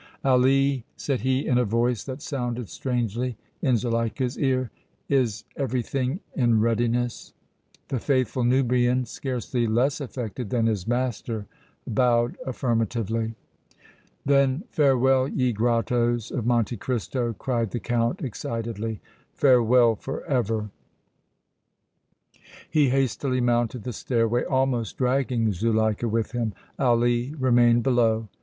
"Ali," said he, in a voice that sounded strangely in Zuleika's ear, "is everything in readiness?" The faithful Nubian, scarcely less affected than his master, bowed affirmatively. "Then farewell, ye grottoes of Monte Cristo!" cried the Count, excitedly. "Farewell forever!" He hastily mounted the stairway, almost dragging Zuleika with him. Ali remained below.